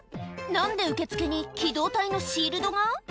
何で受付に機動隊のシールドが？